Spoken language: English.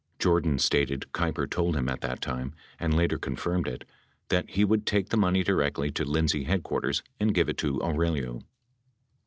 Jordan stated Keiper told him at that time — and later confirmed it — that lie would take the money directly to Lindsay headquarters and give it to Aurelio.